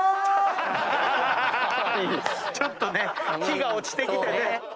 ちょっとね日が落ちてきてね。